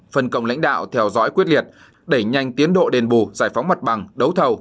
phân công lãnh đạo theo dõi quyết liệt đẩy nhanh tiến độ đền bù giải phóng mặt bằng đấu thầu